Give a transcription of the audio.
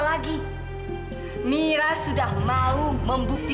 sakit tadi kamu terus